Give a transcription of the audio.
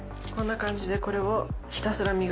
こんな感じでこれを。